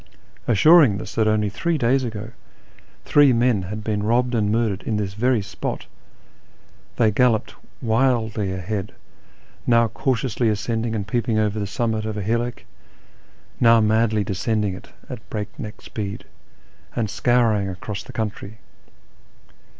Assuring us that only three days ago three men had been robbed and murdered in this very spot, they galloped wildly ahead, now cautiously ascending and peeping over the summit of a hillock, now madly descending it at break neck speed, and scouring across the country.